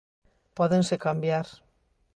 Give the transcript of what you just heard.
Pódense cambiar.